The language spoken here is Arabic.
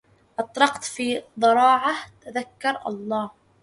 أطرقت في ضراعة تذكر الله